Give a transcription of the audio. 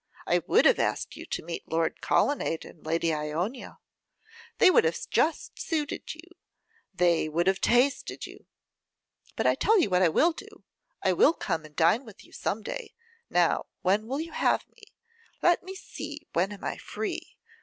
I would have asked you to meet Lord Colonnade and Lady Ionia! They would have just suited you; they would have tasted you! But I tell you what I will do; I will come and dine with you some day. Now, when will you have me? Let me see, when am I. free?